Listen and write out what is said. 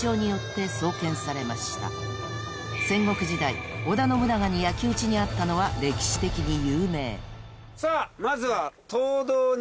［戦国時代織田信長に焼き打ちに遭ったのは歴史的に有名］